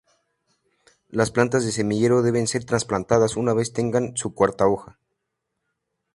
Las plantas de semillero deben ser trasplantadas una vez que tengan su cuarta hoja.